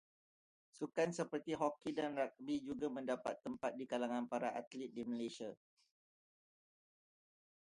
Sukan seperti hoki dan ragbi juga mendapat tempat di kalangan para atlit di Malaysia.